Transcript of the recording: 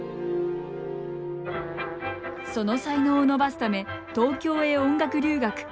その才能を伸ばすため東京へ音楽留学。